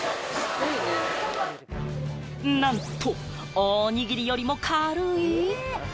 なんと、おにぎりよりも軽い。